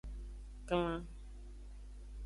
Klan.